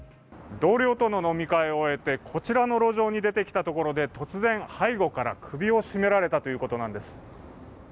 同僚との飲み会を終えてこちらの路上に出てきたところで突然背後から首を絞められたということなんです。